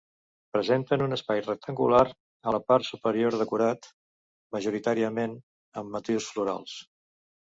Presenten un espai rectangular a la part superior decorat, majoritàriament, amb motius florals.